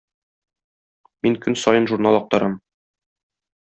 Мин көн саен журнал актарам.